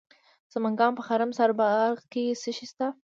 د سمنګان په خرم سارباغ کې څه شی شته؟